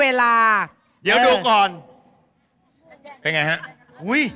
เวลาดีเล่นหน่อยเล่นหน่อย